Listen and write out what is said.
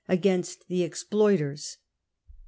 Against the exploiters !